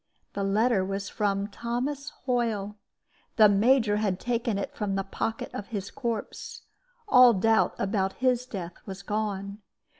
This letter was from Thomas Hoyle; the Major had taken it from the pocket of his corpse; all doubt about his death was gone.